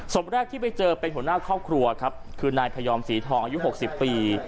ศพแรกที่ไปเจอเป็นหัวหน้าครอบครัวครับคือนายพยอมศรีทองอายุ๖๐ปี